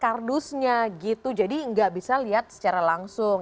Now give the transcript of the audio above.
kardusnya gitu jadi nggak bisa lihat secara langsung